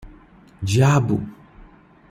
Diabo!